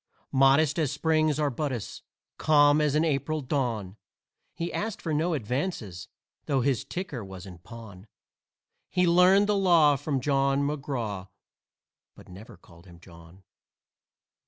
Modest as Spring's arbutus, calm as an April dawn, He asked for no advances though his ticker was in pawn; He learned the law from Jawn McGraw but never called him "Jawn."